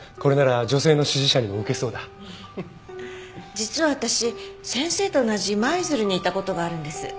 実は私先生と同じ舞鶴にいた事があるんです。